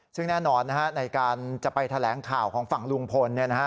ซึ่งแน่นอนในการจะไปแถลงข่าวของฝั่งลุงพล